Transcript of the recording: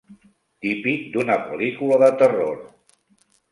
Típic d'una pel·lícula de terror.